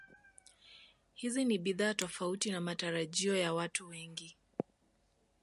Hizi ni bidhaa tofauti na matarajio ya watu wengi